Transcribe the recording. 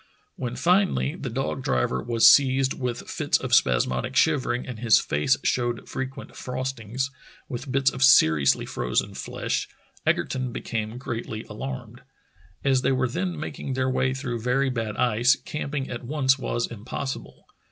When finally the dog driver was seized with fits of spasmodic shivering and his face showed frequent frostings, with bits of seriously frozen flesh, The Saving of Petersen 225 Egerton became greatly alarmed. As they were then making their way through very bad ice, camping at once was impossible.